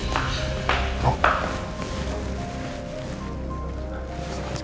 makan yang banyak rena